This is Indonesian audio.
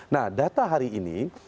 nah data hari ini